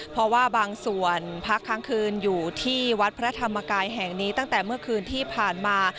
เพราะว่าบางส่วนพักค้างคืนอยู่ที่วัดพระธรรมกายแห่งนี้ตั้งแต่เมื่อคืนที่ผ่านมา